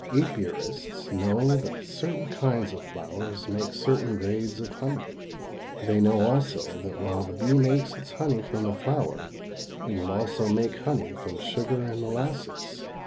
Apiarists know that certain kinds of flowers make certain grades of honey. They know also that while the bee makes its honey from the flower, it will also make honey from sugar and molasses.